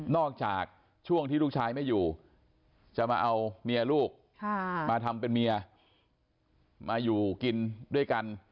จากช่วงที่ลูกชายไม่อยู่จะมาเอาเมียลูกมาทำเป็นเมียมาอยู่กินด้วยกัน